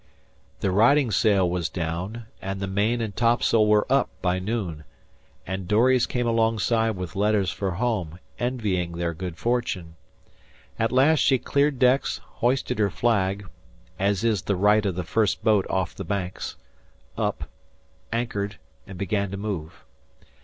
The riding sail was down and the main and topsail were up by noon, and dories came alongside with letters for home, envying their good fortune. At last she cleared decks, hoisted her flag, as is the right of the first boat off the Banks, up anchored, and began to move.